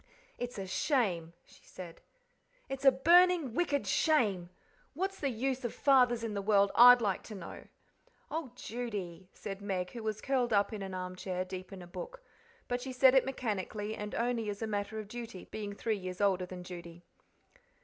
"It's a shame," she said, "it's a burning, wicked shame! What's the use of fathers in the world, I'd like to know!" "Oh, Judy!" said Meg, who was curled up in an armchair, deep in a book. But she said it mechanically, and only as a matter of duty, being three years older than Judy.